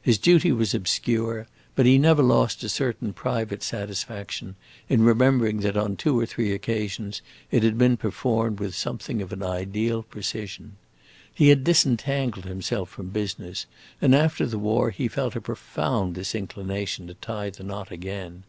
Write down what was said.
His duty was obscure, but he never lost a certain private satisfaction in remembering that on two or three occasions it had been performed with something of an ideal precision. He had disentangled himself from business, and after the war he felt a profound disinclination to tie the knot again.